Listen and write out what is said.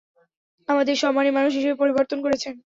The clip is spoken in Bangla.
আমাদের সম্মানি মানুষ হিসাবে পরিবর্তন করেছেন।